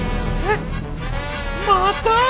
また！？